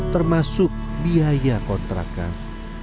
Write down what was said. termasuk biaya kontrakan